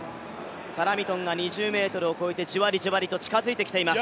サラ・ミトンが２０ｍを超えてじわりじわりと近づいてきています。